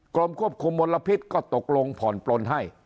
กรมควบคุมมลพิษก็ตกลงผ่อนปลนให้